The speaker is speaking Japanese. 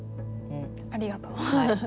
ありがとう。